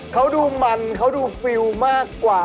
เขาดูมันเขาดูฟิลมากกว่า